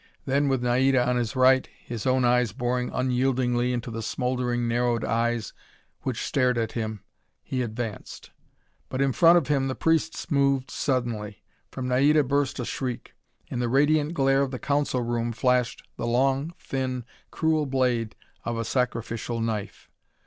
Then with Naida on his right, his own eyes boring unyieldingly into the smouldering, narrowed eyes which stared at him, he advanced. But in front of him the priests moved suddenly. From Naida burst a shriek. In the radiant glare of the council room flashed the long, thin, cruel blade of a sacrificial knife.